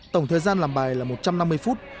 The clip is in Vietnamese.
tổng thời gian làm bài là một trăm năm mươi phút